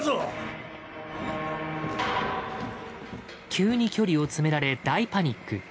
急に距離を詰められ大パニック。